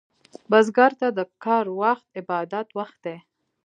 بزګر ته د کر وخت عبادت وخت دی